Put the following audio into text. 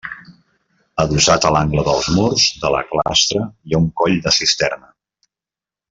Adossat a l’angle dels murs de la clastra hi ha un coll de cisterna.